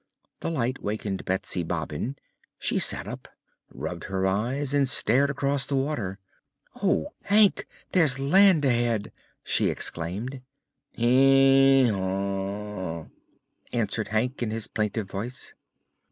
The light wakened Betsy Bobbin. She sat up, rubbed her eyes and stared across the water. "Oh, Hank; there's land ahead!" she exclaimed. "Hee haw!" answered Hank in his plaintive voice.